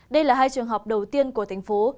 đây là hai trường hợp đầu tiên của thành phố